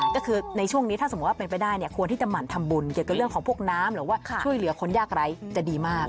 ก็คือในช่วงนี้ถ้าสมมุติว่าเป็นไปได้เนี่ยควรที่จะหมั่นทำบุญเกี่ยวกับเรื่องของพวกน้ำหรือว่าช่วยเหลือคนยากไร้จะดีมาก